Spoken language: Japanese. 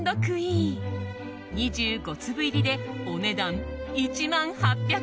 ２５粒入りでお値段１万８００円。